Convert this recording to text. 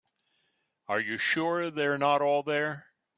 Are you sure they are not all there?